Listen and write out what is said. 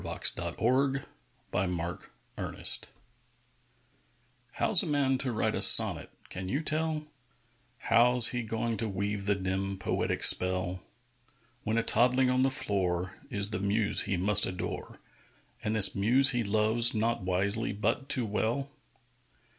THE POET AND THE BABY How's a man to write a sonnet, can you tell, How's he going to weave the dim, poetic spell, When a toddling on the floor Is the muse he must adore, And this muse he loves, not wisely, but too well?